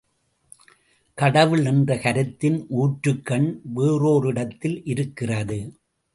கடவுள் என்ற கருத்தின் ஊற்றுக்கண் வேறொரிடத்தில் இருக்கிறது.